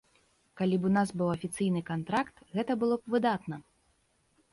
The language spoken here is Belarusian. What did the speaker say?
Калі б у нас быў афіцыйны кантракт, гэта было б выдатна!